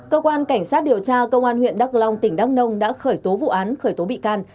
cơ quan cảnh sát điều tra công an huyện đắk long tỉnh đắk nông đã khởi tố vụ án khởi tố bị can